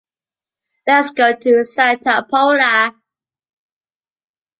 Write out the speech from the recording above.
Let’s go to Santa Pola.